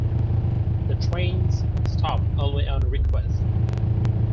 The trains stop only on request.